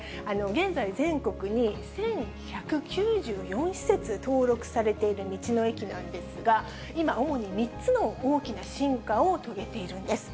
現在、全国に１１９４施設登録されている道の駅なんですが、今、主に３つの大きな進化を遂げているんです。